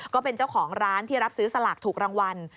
ก็เป็นเจ้าของร้านที่รับซื้อสลากถูกรางวัล